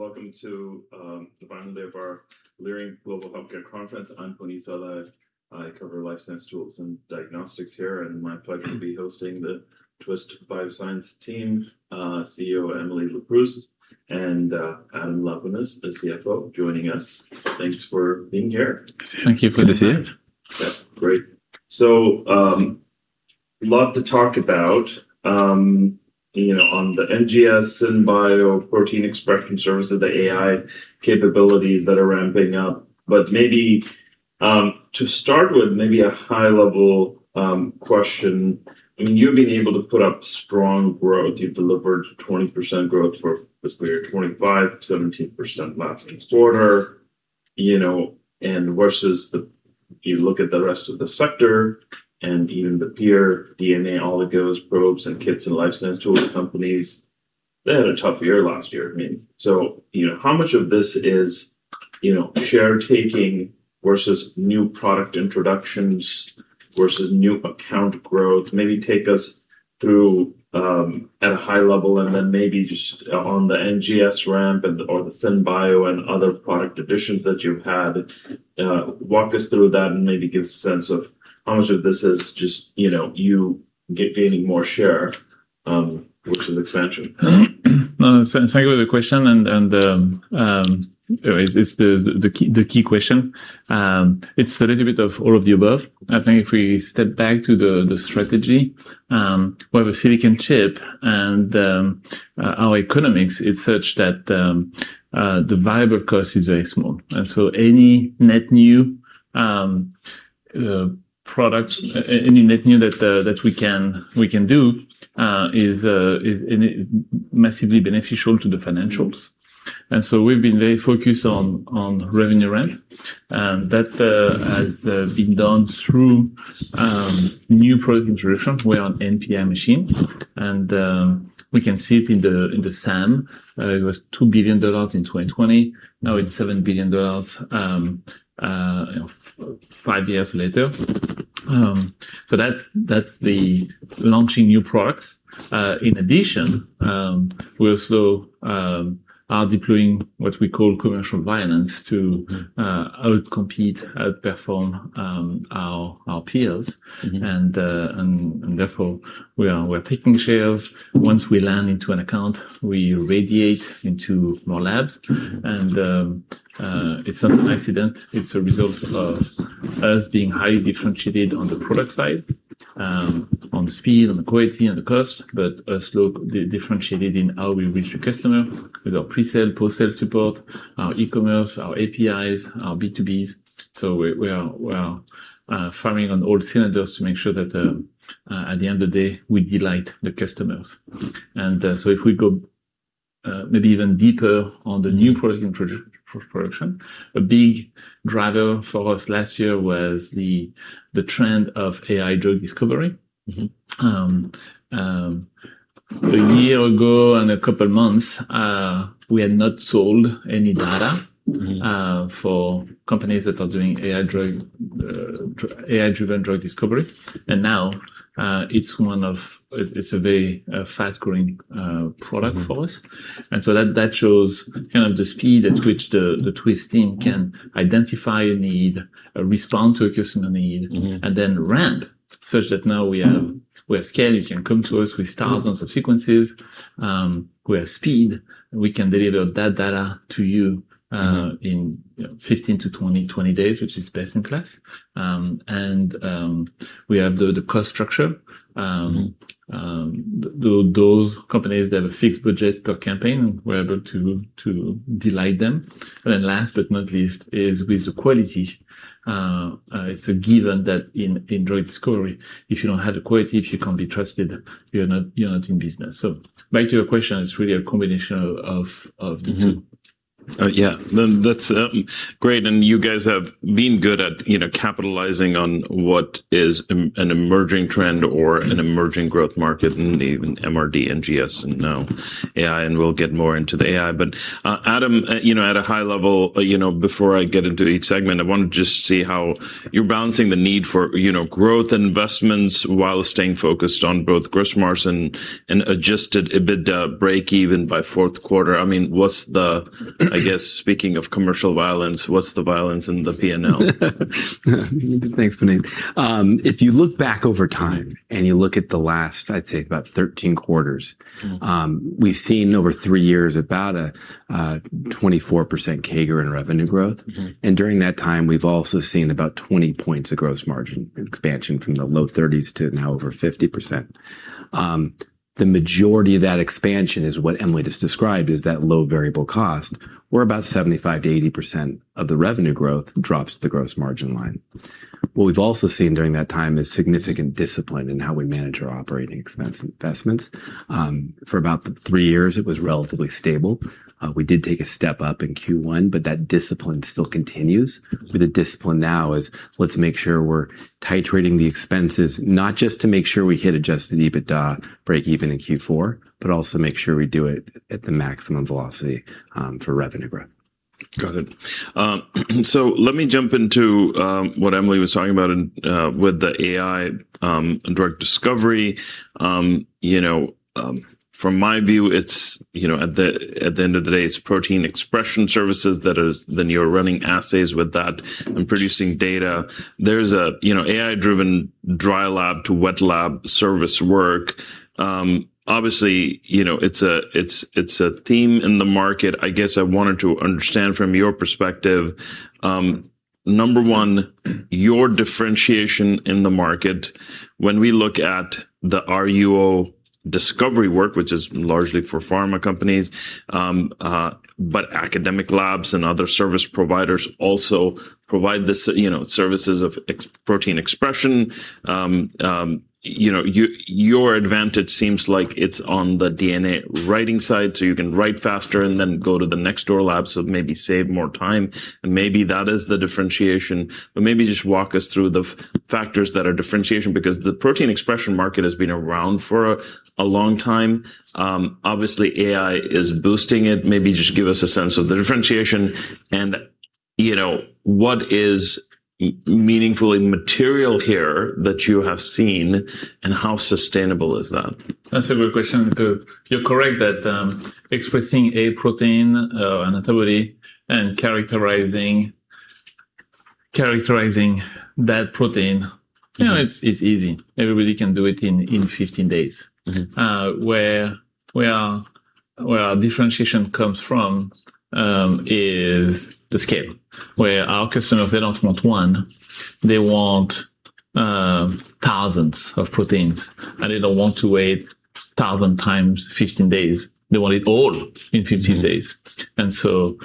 Welcome to the final day of our Leerink Global Healthcare Conference. I'm Puneet Souda. I cover life science tools and diagnostics here, and it's my pleasure to be hosting the Twist Bioscience team, CEO Emily Leproust, and Adam Laponis, the CFO, joining us. Thanks for being here. Thank you for this year. Yeah, great. Lot to talk about, you know, on the NGS and bio protein expression services, the AI capabilities that are ramping up. Maybe to start with maybe a high level question. I mean, you've been able to put up strong growth. You've delivered 20% growth for fiscal year 2025, 17% last quarter, you know, and versus the, you look at the rest of the sector and even the peer DNA, oligos, probes, and kits and life science tools companies, they had a tough year last year. I mean, you know, how much of this is, you know, share taking versus new product introductions versus new account growth? Maybe take us through at a high level and then maybe just on the NGS ramp and/or the SynBio and other product additions that you've had. Walk us through that and maybe give a sense of how much of this is just, you know, you gaining more share versus expansion. No, thank you for the question. It's the key question. It's a little bit of all of the above. I think if we step back to the strategy, where the silicon chip and our economics is such that the variable cost is very small. Any net new products, any net new that we can do is and it massively beneficial to the financials. We've been very focused on revenue ramp, and that has been done through new product introduction. We are an NPI machine, and we can see it in the SAM. It was $2 billion in 2020, now it's $7 billion, you know, five years later. That's the launching new products. In addition, we also are deploying what we call commercial excellence to outcompete, outperform our peers. Mm-hmm. therefore we're taking shares. Once we land into an account, we radiate into more labs. It's not an accident, it's a result of us being highly differentiated on the product side, on the speed, on the quality, on the cost, but differentiated in how we reach the customer with our pre-sale, post-sale support, our e-commerce, our APIs, our B2Bs. We are firing on all cylinders to make sure that at the end of the day, we delight the customers. If we go maybe even deeper on the new product production, a big driver for us last year was the trend of AI drug discovery. Mm-hmm. A year ago and a couple months, we had not sold any data. Mm-hmm For companies that are doing AI-driven drug discovery. Now, it's a very fast-growing product for us. Mm-hmm. That shows kind of the speed at which the Twist team can identify a need, respond to a customer need. Mm-hmm We have scale. You can come to us with thousands of sequences. We have speed. We can deliver that data to you in, you know, 15-20 days, which is best in class. We have the cost structure. Those companies that have a fixed budget per campaign, we're able to delight them. Last but not least is with the quality. It's a given that in drug discovery, if you don't have the quality, if you can't be trusted, you're not in business. Back to your question, it's really a combination of the two. Yeah. That's great. You guys have been good at, you know, capitalizing on what is an emerging trend or an emerging growth market in the MRD, NGS, and now AI, and we'll get more into the AI. Adam, you know, at a high level, you know, before I get into each segment, I want to just see how you're balancing the need for, you know, growth investments while staying focused on both gross margin and adjusted EBITDA breakeven by fourth quarter. I mean, I guess, speaking of commercial leverage, what's the leverage in the P&L? Thanks, Puneet. If you look back over time and you look at the last, I'd say about 13 quarters Mm-hmm We've seen over three years about a 24% CAGR in revenue growth. Mm-hmm. During that time we've also seen about 20 points of gross margin expansion from the low 30s to now over 50%. The majority of that expansion is what Emily just described, that low variable cost, where about 75%-80% of the revenue growth drops to the gross margin line. What we've also seen during that time is significant discipline in how we manage our operating expense investments. For about the three years it was relatively stable. We did take a step up in Q1, but that discipline still continues. The discipline now is, let's make sure we're titrating the expenses, not just to make sure we hit adjusted EBITDA breakeven in Q4, but also make sure we do it at the maximum velocity for revenue growth. Got it. Let me jump into what Emily was talking about with the AI and drug discovery. You know, from my view, it's you know at the end of the day it's protein expression services then you're running assays with that and producing data. There's you know AI-driven dry lab to wet lab service work. Obviously, you know, it's a theme in the market. I guess I wanted to understand from your perspective, number one, your differentiation in the market when we look at the RUO discovery work, which is largely for pharma companies, but academic labs and other service providers also provide services of protein expression. You know, your advantage seems like it's on the DNA writing side, so you can write faster and then go to the next door lab, so maybe save more time, and maybe that is the differentiation. Maybe just walk us through the factors that are differentiation, because the protein expression market has been around for a long time. Obviously AI is boosting it. Maybe just give us a sense of the differentiation and, you know, what is meaningfully material here that you have seen and how sustainable is that? That's a good question. You're correct that expressing a protein, an antibody and characterizing that protein, you know, it's easy. Everybody can do it in 15 days. Mm-hmm. Where our differentiation comes from is the scale. Where our customers, they don't want one, they want thousands of proteins, and they don't want to wait 1000 times 15 days. They want it all in 15 days. That's where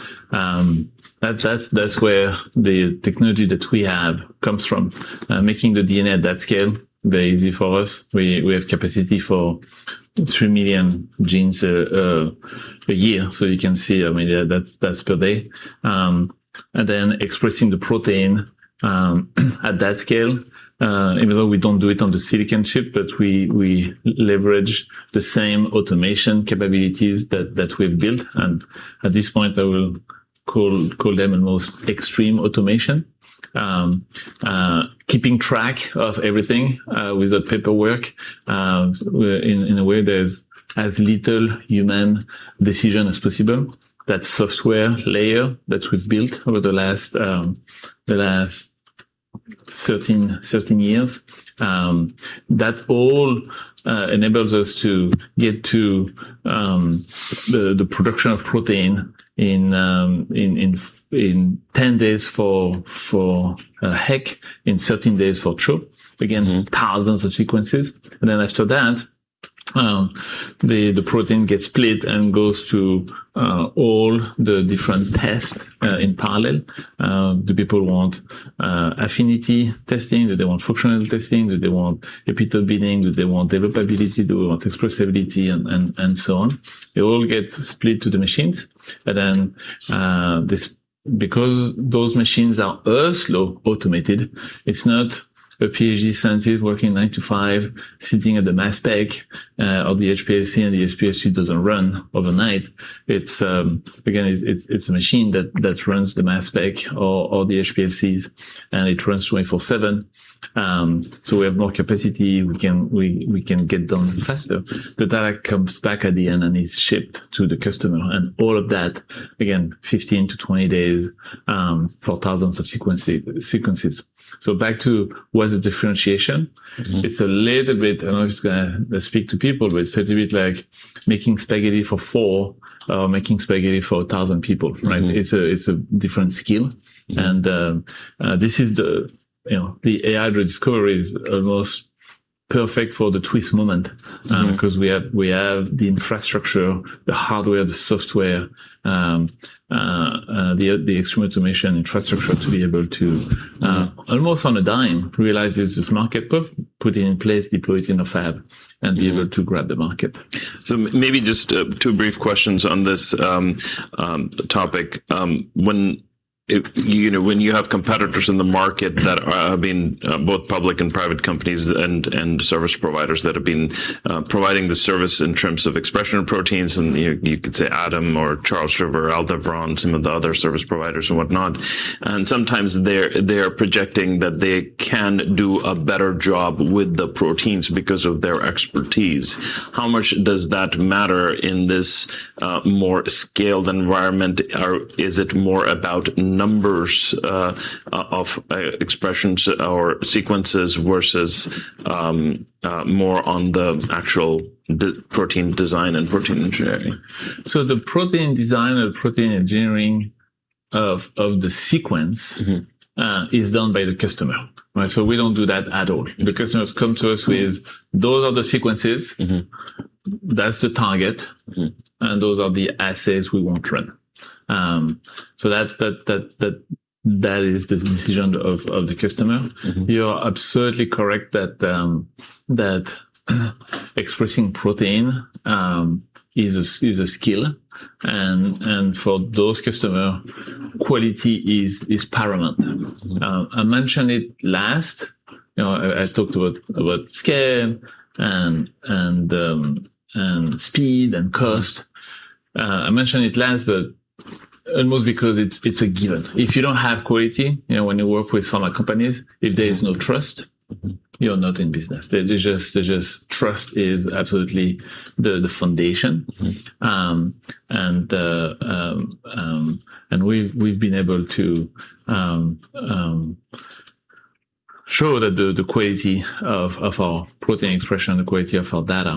the technology that we have comes from. Making the DNA at that scale very easy for us. We have capacity for three million genes a year, so you can see, I mean, that's per day. Expressing the protein at that scale, even though we don't do it on the silicon chip, but we leverage the same automation capabilities that we've built. At this point, I will call them almost extreme automation. Keeping track of everything with the paperwork in a way that is as little human decision as possible. That software layer that we've built over the last 13 years that all enables us to get to the production of protein in 10 days for HEK, in 13 days for CHO. Mm-hmm Thousands of sequences. Then after that, the protein gets split and goes to all the different tests in parallel. Do people want affinity testing? Do they want functional testing? Do they want epitope binding? Do they want developability? Do they want expressibility and so on? They all get split to the machines. Because those machines are also automated, it's not a PhD scientist working nine-five, sitting at the mass spec or the HPLC, and the HPLC doesn't run overnight. It's a machine that runs the mass spec or the HPLCs, and it runs 24/7. We have more capacity. We can get done faster. The data comes back at the end and is shipped to the customer. All of that, again, 15-20 days, for thousands of sequences. Back to what's the differentiation. Mm-hmm. It's a little bit, I know it's gonna speak to people, but it's a little bit like making spaghetti for four or making spaghetti for a thousand people, right? Mm-hmm. It's a different skill. Mm-hmm. This is the, you know, the AI drug score is almost perfect for the Twist moment. Mm-hmm 'Cause we have the infrastructure, the hardware, the software, the extreme automation infrastructure to be able to almost on a dime realize there's this market, put it in place, deploy it in a fab. Yeah Be able to grab the market. Maybe just two brief questions on this topic. You know, when you have competitors in the market that have been both public and private companies and service providers that have been providing the service in terms of expression of proteins, and you could say Adam or Charles River, Aldevron, some of the other service providers and whatnot, and sometimes they're projecting that they can do a better job with the proteins because of their expertise. How much does that matter in this more scaled environment? Or is it more about numbers of expressions or sequences versus more on the actual protein design and protein engineering? The protein design or protein engineering of the sequence. Mm-hmm is done by the customer, right? We don't do that at all. The customers come to us with, "Those are the sequences. Mm-hmm. That's the target. Mm-hmm. Those are the assays we want to run." That is the decision of the customer. Mm-hmm. You're absolutely correct that expressing protein is a skill, and for those customers, quality is paramount. I mentioned it last. You know, I talked about scale and speed and cost. I mentioned it last, but almost because it's a given. If you don't have quality, you know, when you work with pharma companies, if there is no trust. Mm-hmm You're not in business. Trust is absolutely the foundation. Mm-hmm. We've been able to CHO that the quality of our protein expression, the quality of our data,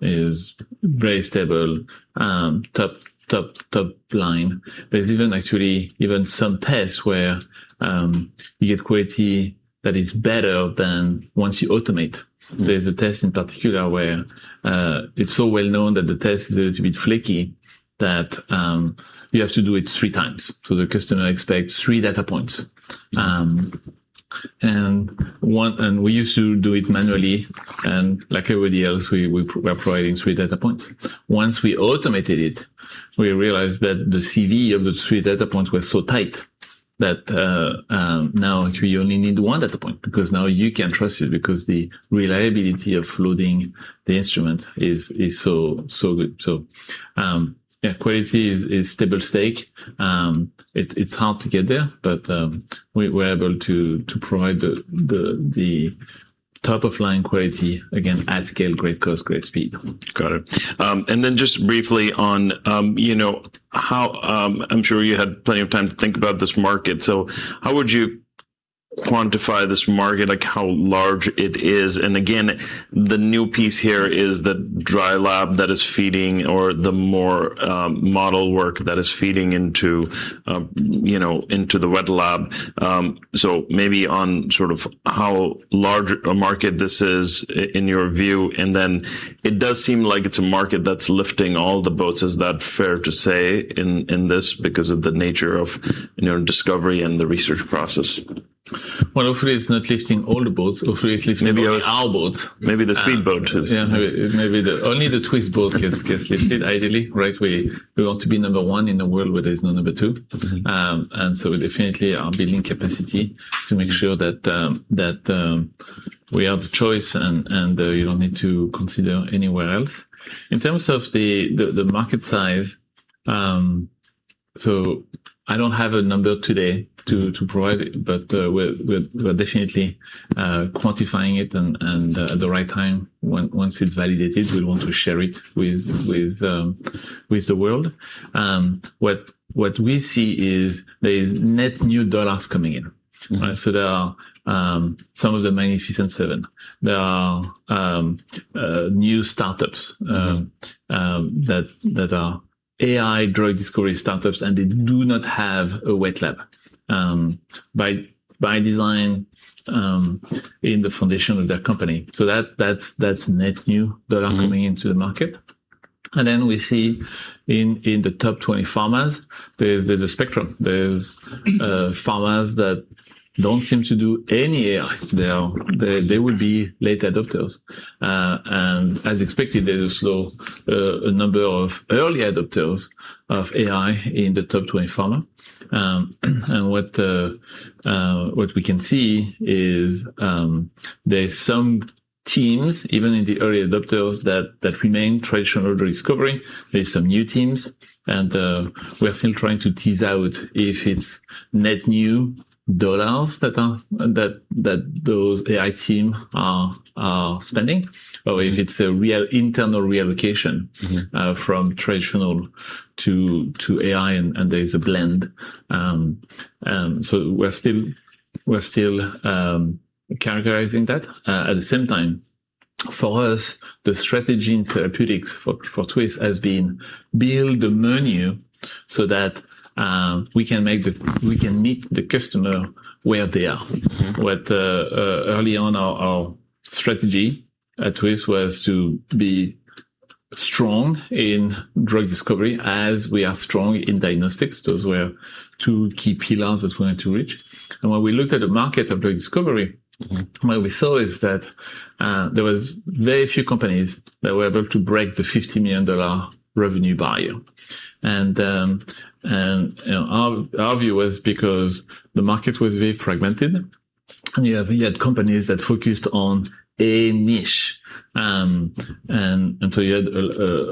is very stable top line. There's even actually some tests where you get quality that is better than once you automate. There's a test in particular where it's so well known that the test is a little bit flaky that you have to do it three times. The customer expects three data points. We used to do it manually, and like everybody else, we were providing three data points. Once we automated it, we realized that the CV of the three data points were so tight that now actually you only need one data point, because now you can trust it because the reliability of loading the instrument is so good. Quality is stable state. It's hard to get there, but we're able to provide the top-of-the-line quality again at scale, great cost, great speed. Got it. Just briefly on, you know, how I'm sure you had plenty of time to think about this market. How would you quantify this market, like how large it is? Again, the new piece here is the dry lab that is feeding, or the more, model work that is feeding into, you know, into the wet lab. Maybe on sort of how large a market this is in your view, and then it does seem like it's a market that's lifting all the boats. Is that fair to say in this because of the nature of, you know, discovery and the research process? Well, hopefully it's not lifting all the boats. Hopefully it's lifting only our boats. Maybe the speed boats. Yeah. Maybe only the Twist's boat gets lifted ideally, right? We want to be number one in a world where there is no number two. Mm-hmm. Definitely we're building capacity to make sure that we have the choice and you don't need to consider anywhere else. In terms of the market size, I don't have a number today to provide, but we're definitely quantifying it, and at the right time, once it's validated, we want to share it with the world. What we see is there's net new dollars coming in, right? There are some of the Magnificent Seven. There are new startups that are AI drug discovery startups, and they do not have a wet lab by design in the foundation of their company. That's net new that are coming into the market. We see in the top 20 pharmas, there's a spectrum. There's pharmas that don't seem to do any AI. They would be late adopters. As expected, there's also a number of early adopters of AI in the top 20 pharma. What we can see is, there's some teams, even in the early adopters that remain traditional R&D discovery. There's some new teams, we are still trying to tease out if it's net new dollars that those AI teams are spending or if it's a real internal reallocation. Mm-hmm From traditional to AI and there is a blend. We're still characterizing that. At the same time, for us, the strategy in therapeutics for Twist has been build the menu so that we can meet the customer where they are. Mm-hmm. Early on our strategy at Twist was to be strong in drug discovery as we are strong in diagnostics. Those were two key pillars that we wanted to reach. When we looked at the market of drug discovery. Mm-hmm What we saw is that there was very few companies that were able to break the $50 million revenue barrier. You know, our view was because the market was very fragmented, and you had companies that focused on a niche. You had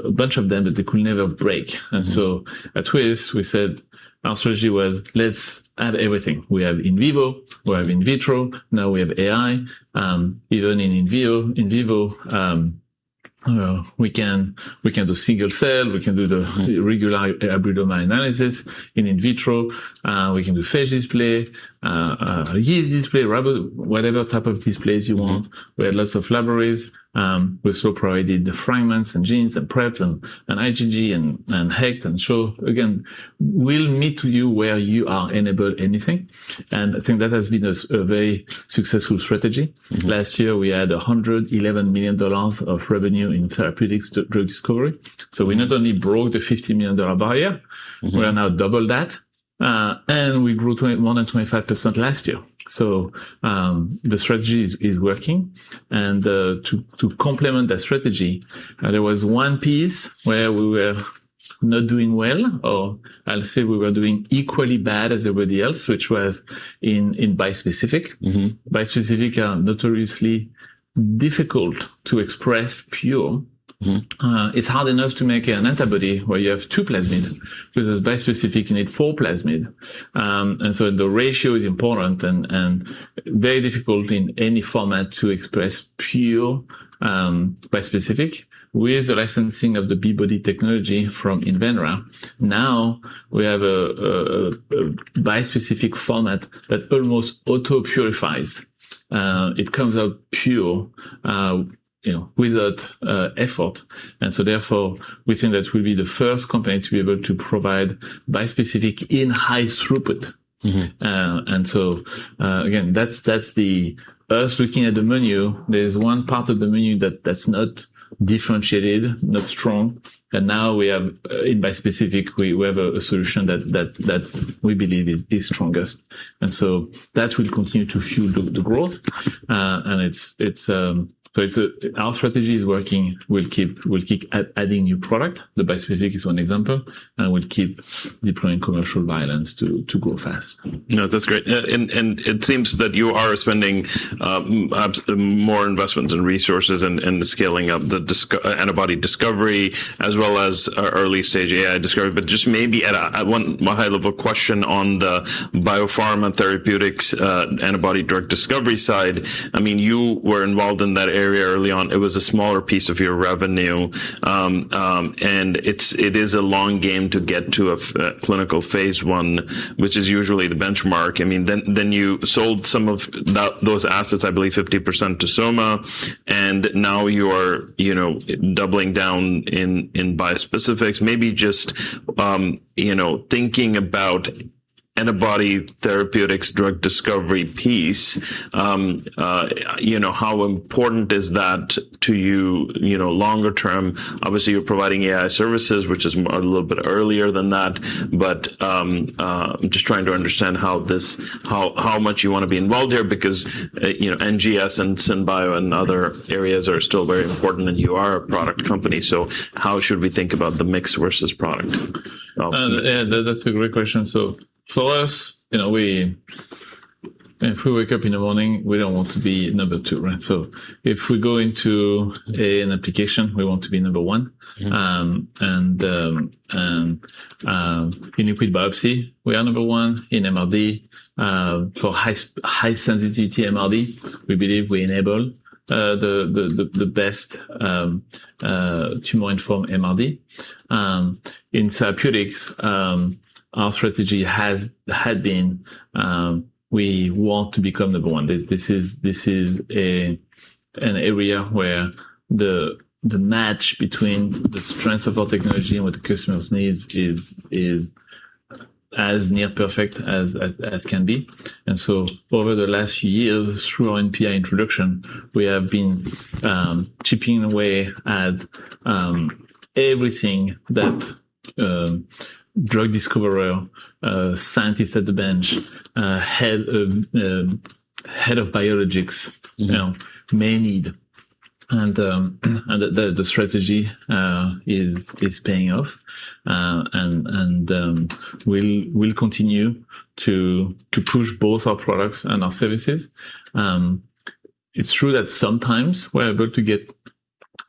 a bunch of them, but they could never break. At Twist we said our strategy was, let's add everything. We have in vivo, we have in vitro, now we have AI, even in vivo we can do single cell, we can do the regular hybridoma analysis. In vitro we can do phage display, yeast display, whatever type of displays you want. Mm-hmm. We have lots of libraries. We're still providing the fragments, and genes, and preps, and IgG, and HEK and CHO. Again, we'll meet you where you are, enable anything. I think that has been a very successful strategy. Mm-hmm. Last year we had $111 million of revenue in therapeutics drug discovery. We not only broke the $50 million-dollar barrier- Mm-hmm We are now double that. We grew 21% and 25% last year. The strategy is working. To complement that strategy, there was one piece where we were not doing well, or I'll say we were doing equally bad as everybody else, which was in bispecific. Mm-hmm. Bispecifics are notoriously difficult to express purely. Mm-hmm. It's hard enough to make an antibody where you have two plasmid, but with bispecific, you need four plasmid. The ratio is important and very difficult in any format to express pure bispecific. With the licensing of the B-Body technology from Invenra, now we have a bispecific format that almost auto-purifies. It comes out pure, you know, without effort. Therefore, we think that we'll be the first company to be able to provide bispecific in high throughput. Mm-hmm. Again, that's us looking at the menu. There's one part of the menu that's not differentiated, not strong, and now we have in bispecific a solution that we believe is strongest. That will continue to fuel the growth. It's our strategy is working. We'll keep adding new product, the bispecific is one example, and we'll keep deploying commercial vigilance to grow fast. No, that's great. It seems that you are spending more investments and resources in the scaling of antibody discovery as well as early stage AI discovery. Just maybe at a high level question on the biopharma therapeutics antibody drug discovery side. I mean, you were involved in that area early on. It was a smaller piece of your revenue, and it is a long game to get to a phase I, which is usually the benchmark. I mean, then you sold some of those assets, I believe 50% to Astellas, and now you're, you know, doubling down in bispecifics. Maybe just, you know, thinking about antibody therapeutics, drug discovery piece, you know, how important is that to you know, longer term? Obviously, you're providing AI services, which is a little bit earlier than that. I'm just trying to understand how much you want to be involved here because you know, NGS and SynBio and other areas are still very important, and you are a product company. How should we think about the mix versus product That's a great question. For us, you know, if we wake up in the morning, we don't want to be number two, right? If we go into an application, we want to be number one. In liquid biopsy, we are number one in MRD. For high sensitivity MRD, we believe we enable the best tumor-informed MRD. In therapeutics, our strategy had been we want to become number one. This is an area where the match between the strengths of our technology and what the customers needs is as near perfect as can be. Over the last year, through our NPI introduction, we have been chipping away at everything that drug discovery scientists at the bench, head of biologics Mm-hmm You know, may need. The strategy is paying off. We'll continue to push both our products and our services. It's true that sometimes we're able to get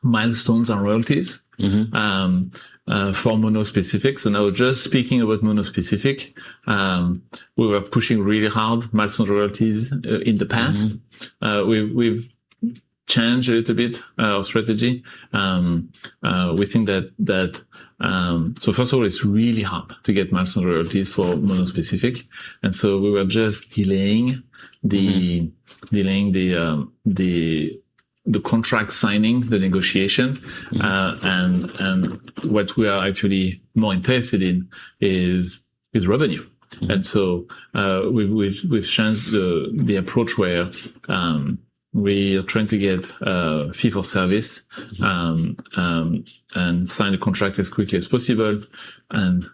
milestones and royalties. Mm-hmm For monospecifics. I was just speaking about monospecific. We were pushing really hard milestones and royalties in the past. Mm-hmm. We've changed a little bit our strategy. We think that first of all, it's really hard to get milestones and royalties for monospecific. We were just delaying the Mm-hmm Delaying the contract signing, the negotiations. What we are actually more interested in is revenue. Mm-hmm. We've changed the approach where we are trying to get fee for service and sign a contract as quickly as possible, and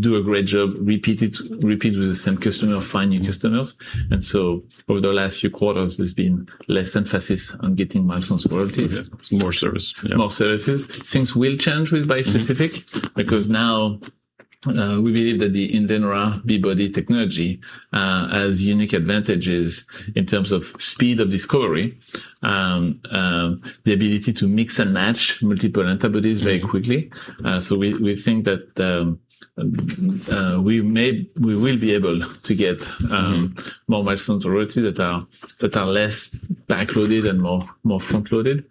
do a great job, repeat it, repeat with the same customer, find new customers. Over the last few quarters, there's been less emphasis on getting milestones and royalties. Yeah. It's more service. Yeah. More services. Things will change with bispecific- Mm-hmm Because now we believe that the Invenra B-Body technology has unique advantages in terms of speed of discovery, the ability to mix and match multiple antibodies very quickly. We think that we will be able to get more milestones and royalties that are less back-loaded and more front-loaded.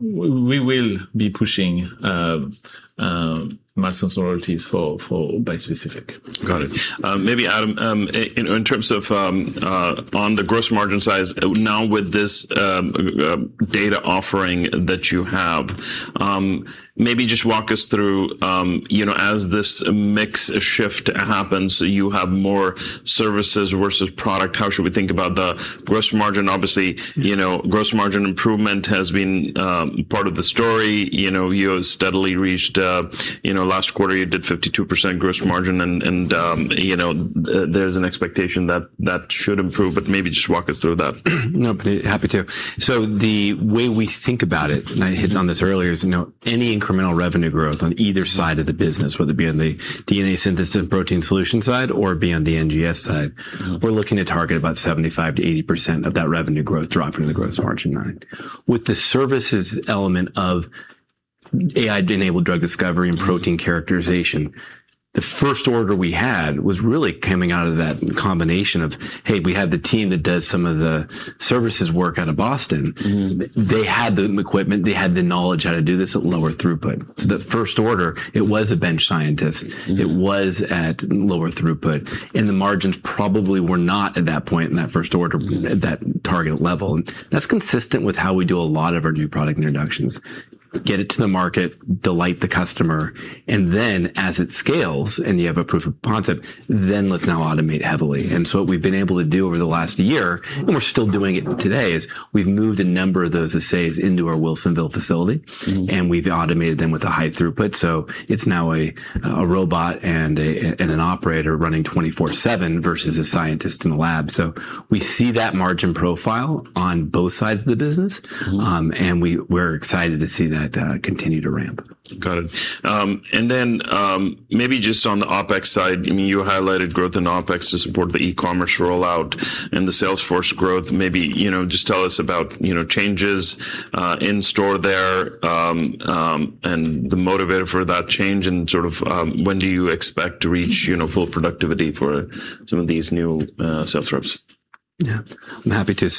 We will be pushing maximum royalties for bispecific. Got it. Maybe, Adam, in terms of, on the gross margin size now with this, data offering that you have, maybe just walk us through, you know, as this mix shift happens, you have more services versus product, how should we think about the gross margin? Obviously, you know, gross margin improvement has been, part of the story. You know, you have steadily reached, you know, last quarter you did 52% gross margin and, you know, there's an expectation that that should improve, but maybe just walk us through that. No, happy to. The way we think about it, and I hit on this earlier, is, you know, any incremental revenue growth on either side of the business, whether it be on the DNA synthesis and protein solution side or be on the NGS side. Mm-hmm We're looking to target about 75%-80% of that revenue growth dropping to the gross margin line. With the services element of AI-enabled drug discovery and protein characterization, the first order we had was really coming out of that combination of, hey, we have the team that does some of the services work out of Boston. Mm-hmm. They had the equipment, they had the knowledge how to do this at lower throughput. The first order, it was a bench scientist. Mm-hmm. It was at lower throughput, and the margins probably were not at that point in that first order at that target level. That's consistent with how we do a lot of our new product introductions, get it to the market, delight the customer, and then as it scales and you have a proof of concept, then let's now automate heavily. Mm-hmm. What we've been able to do over the last year, and we're still doing it today, is we've moved a number of those assays into our Wilsonville facility. Mm-hmm. We've automated them with a high throughput, so it's now a robot and an operator running 24/7 versus a scientist in a lab. We see that margin profile on both sides of the business. Mm-hmm. We're excited to see that continue to ramp. Got it. Maybe just on the OpEx side, I mean, you highlighted growth in OpEx to support the e-commerce rollout and the sales force growth. Maybe, you know, just tell us about, you know, changes in store there, and the motivator for that change and sort of, when do you expect to reach, you know, full productivity for some of these new sales reps? Yeah. I'm happy to.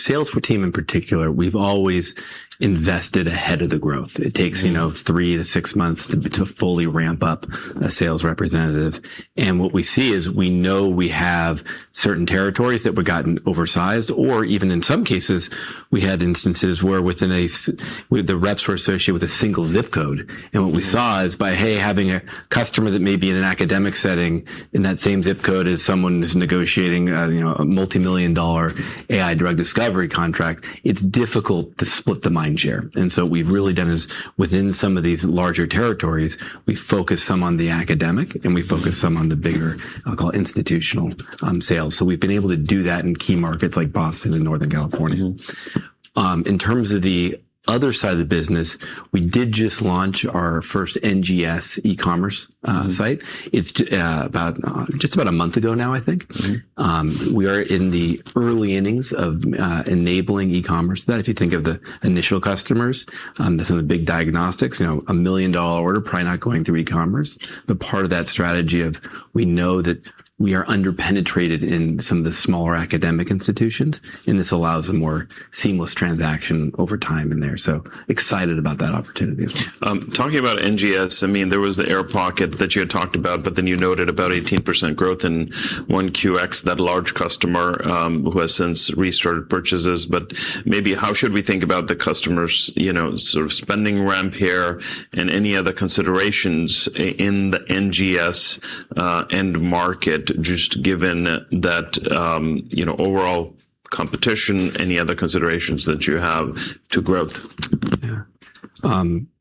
Sales team in particular, we've always invested ahead of the growth. Mm-hmm. It takes, you know, three-six months to fully ramp up a sales representative. What we see is we know we have certain territories that we've gotten oversized or even in some cases we had instances where the reps were associated with a single zip code. Mm-hmm. What we saw is by, hey, having a customer that may be in an academic setting in that same zip code as someone who's negotiating, you know, a multimillion-dollar AI drug discovery contract, it's difficult to split the mind share. What we've really done is within some of these larger territories, we focus some on the academic and we focus some on the bigger, I'll call institutional, sales. We've been able to do that in key markets like Boston and Northern California. Mm-hmm. In terms of the other side of the business, we did just launch our first NGS e-commerce site. It's just about a month ago now, I think. Mm-hmm. We are in the early innings of enabling e-commerce. If you think of the initial customers, some of the big diagnostics, you know, a $1 million order probably not going through e-commerce. The part of that strategy of we know that we are under-penetrated in some of the smaller academic institutions, and this allows a more seamless transaction over time in there, so excited about that opportunity as well. Talking about NGS, I mean, there was the air pocket that you had talked about, but then you noted about 18% growth in 1Q, that large customer, who has since restarted purchases. But maybe how should we think about the customers, you know, sort of spending ramp here and any other considerations in the NGS end market, just given that, you know, overall competition, any other considerations that you have for growth? Yeah.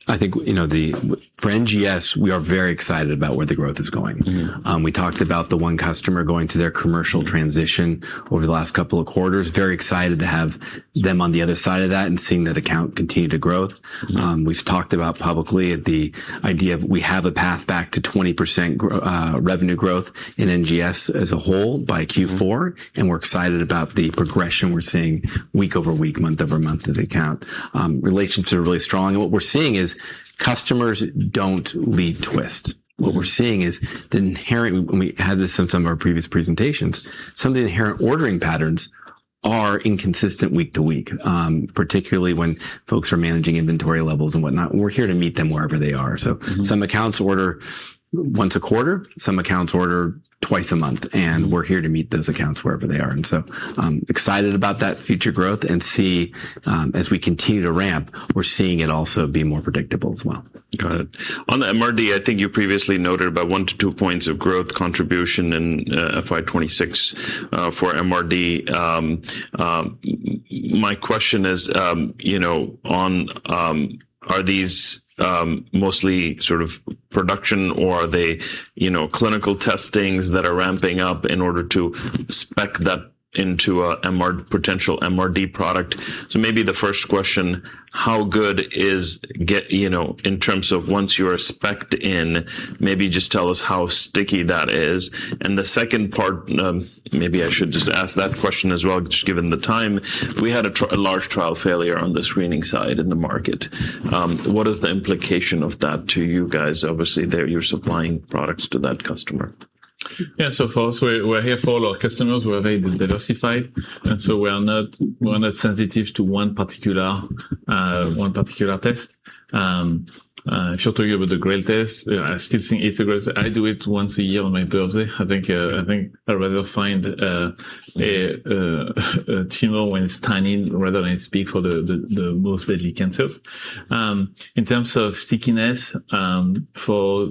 I think, you know, for NGS, we are very excited about where the growth is going. Mm-hmm. We talked about the one customer going through their commercial transition over the last couple of quarters. Very excited to have them on the other side of that and seeing that account continue to growth. Mm-hmm. We've talked about publicly the idea of we have a path back to 20% revenue growth in NGS as a whole by Q4. Mm-hmm. We're excited about the progression we're seeing week over week, month over month in the account. Relationships are really strong, and what we're seeing is customers don't leave Twist. What we're seeing is the inherent, and we had this in some of our previous presentations, some of the inherent ordering patterns are inconsistent week to week, particularly when folks are managing inventory levels and whatnot. We're here to meet them wherever they are. Mm-hmm. Some accounts order once a quarter, some accounts order twice a month, and we're here to meet those accounts wherever they are. Excited about that future growth and see, as we continue to ramp, we're seeing it also be more predictable as well. Got it. On the MRD, I think you previously noted about 1%-2% growth contribution in FY 2026 for MRD. My question is, you know, on, are these mostly sort of production or are they, you know, clinical testings that are ramping up in order to spec that into a potential MRD product? Maybe the first question, how good is, you know, in terms of once you are specced in, maybe just tell us how sticky that is. The second part, maybe I should just ask that question as well, just given the time, we had a large trial failure on the screening side in the market. What is the implication of that to you guys? Obviously, there you're supplying products to that customer. Yeah. First, we're here for all our customers. We're very diversified. We are not sensitive to one particular test. If you're talking about the GRAIL test, I still think it's aggressive. I do it once a year on my birthday. I think I rather find a tumor when it's tiny rather than it's big for the most deadly cancers. In terms of stickiness, for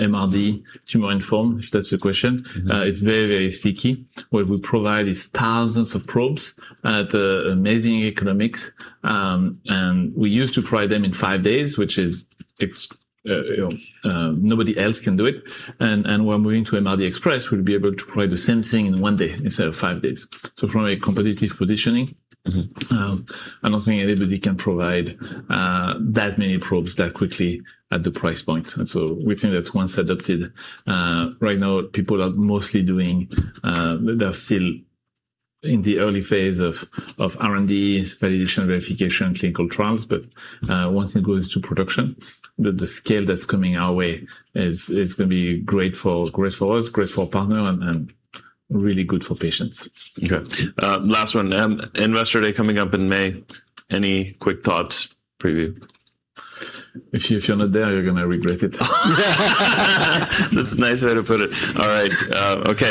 MRD tumor-informed, if that's the question. Mm-hmm It's very, very sticky. What we provide is thousands of probes at amazing economics. We used to provide them in five days, which is, you know, nobody else can do it. We're moving to MRD Express, we'll be able to provide the same thing in one day instead of five days. From a competitive positioning. Mm-hmm I don't think anybody can provide that many probes that quickly at the price point. We think that's once adopted. Right now, they're still in the early phase of R&D, validation, verification, clinical trials. Once it goes to production, the scale that's coming our way is gonna be great for us, great for partner, and really good for patients. Okay. Last one. Investor Day coming up in May. Any quick thoughts? Preview. If you're not there, you're gonna regret it. That's a nice way to put it. All right. Okay.